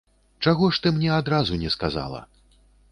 Чаго ж ты мне адразу не сказала?